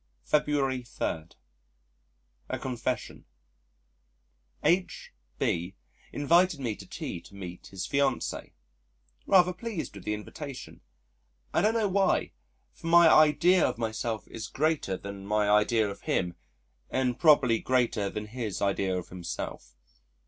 February 3. A Confession H B invited me to tea to meet his fiancée. Rather pleased with the invitation I don't know why, for my idea of myself is greater than my idea of him and probably greater than his idea of himself.